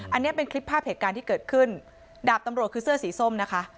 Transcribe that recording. อันนี้เป็นคลิปภาพเหตุการณ์ที่เกิดขึ้นดาบตำรวจคือเสื้อสีส้มนะคะ